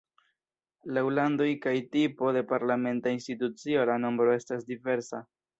Laŭ landoj kaj tipo de parlamenta institucio la nombro estas diversa.